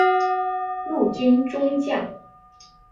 陆军中将。